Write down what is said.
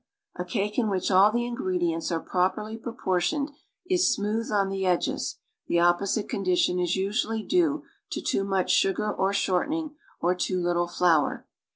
A cake in which all the ingredients are properly propor tioned is smooth on the edges, the opposite condition is usually due to too much sugar or shortening, or too little flour.